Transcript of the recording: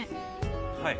はい。